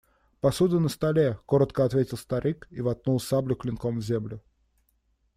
Посуда на столе, – коротко ответил старик и воткнул саблю клинком в землю.